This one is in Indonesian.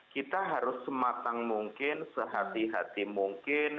kita harus sematang mungkin sehati hati mungkin